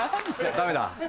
ダメだ。